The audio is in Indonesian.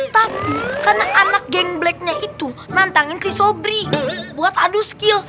tapi karena anak geng bleknya itu nantangin si sobri buat adu skill